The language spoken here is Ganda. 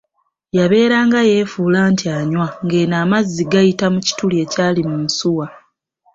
Yabeeranga yeefuula nti anywa ng'eno amazzi g'ayita mu kituli ekyali mu nsuwa.